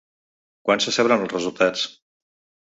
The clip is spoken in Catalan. Quan se sabran els resultats?